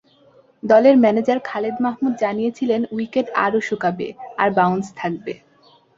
দলের ম্যানেজার খালেদ মাহমুদ জানিয়েছিলেন, উইকেট আরও শুকাবে আর বাউন্স থাকবে।